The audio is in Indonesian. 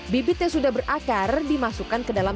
bibit yang sudah berakar dimasukkan ke dalam